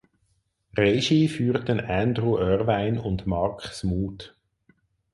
Regie führten Andrew Irvine und Mark Smoot.